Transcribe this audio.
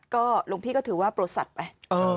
ก็หลวงพี่ก็ถือว่าโปรสัตว์ไป